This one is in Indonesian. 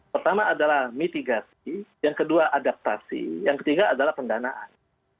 pertama adalah mitigasi yang kedua adaptasi yang ketiga adalah pendanaan